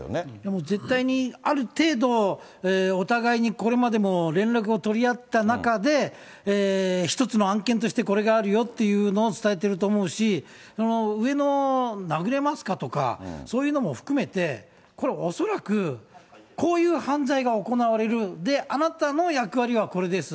もう絶対に、ある程度、お互いにこれまでも連絡を取り合った中で、一つの案件として、これがあるよっていうのを伝えてると思うし、上の殴れますかとか、そういうのも含めて、これ、恐らく、こういう犯罪が行われる、で、あなたの役割はこれです。